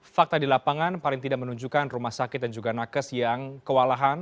fakta di lapangan paling tidak menunjukkan rumah sakit dan juga nakes yang kewalahan